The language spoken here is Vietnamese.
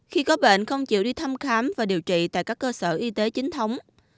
khi có bệnh không chịu đi thăm khám và điều trị tại các cơ sở y tế chính thống